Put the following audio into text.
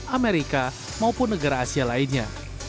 amerika maupun negara asia lainnya